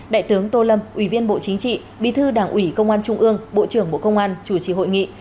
đại tướng tô lâm ủy viên bộ chính trị bí thư đảng ủy công an trung ương bộ trưởng bộ công an chủ trì hội nghị